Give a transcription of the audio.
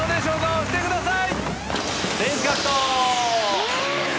押してください。